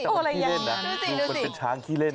แต่ว่าคลิกเล่นนะคลิกเป็นช้างคลิกเล่น